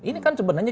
ini kan sebenarnya